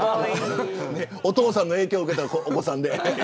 お父さんの影響を受けたお子さんで。